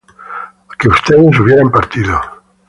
que ustedes hubieran partido